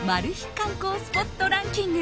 観光スポットランキング